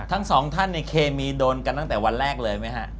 ทั้งสองท่านเนี่ยเคมีโดนกันตั้งแต่วันแรกเลยไหมฮะ